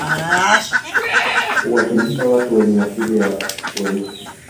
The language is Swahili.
Huwakimbia watu wenye asili ya weusi